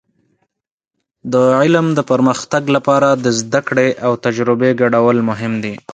د علم د پرمختګ لپاره د زده کړې او تجربې ګډول مهم دي.